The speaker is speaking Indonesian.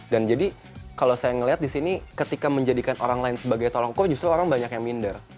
dan jadi kalau saya ngelihat disini ketika menjadikan orang lain sebagai tolak ukur justru orang banyak yang minder